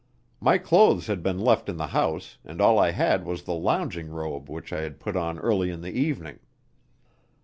My clothes had been left in the house and all I had was the lounging robe which I had put on early in the evening."